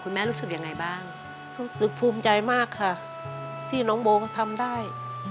แม่รู้สึกยังไงบ้างรู้สึกภูมิใจมากค่ะที่น้องโบเขาทำได้